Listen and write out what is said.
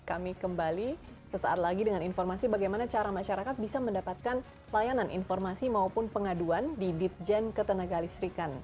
kami kembali sesaat lagi dengan informasi bagaimana cara masyarakat bisa mendapatkan layanan informasi maupun pengaduan di ditjen ketenaga listrikan